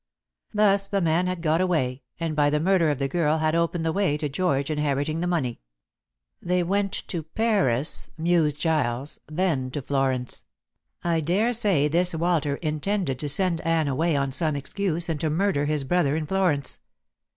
Thus the man had got away, and by the murder of the girl had opened the way to George inheriting the money. "They went to Paris," mused Giles, "then to Florence. I daresay this Walter intended to send Anne away on some excuse and to murder his brother in Florence.